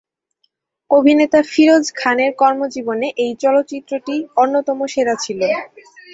অভিনেতা ফিরোজ খানের কর্মজীবনে এই চলচ্চিত্রটি অন্যতম সেরা ছিলো।